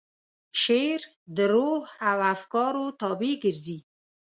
شعر د روح او افکارو تابع ګرځي.